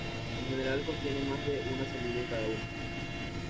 En general contiene más de una semilla en cada uno.